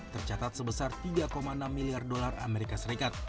tercatat sebesar tiga enam miliar dolar as